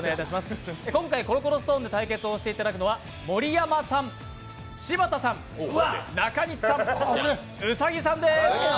今回、「コロコロストーン」で対決していただくのは盛山さん、柴田さん中西さん、兎さんです。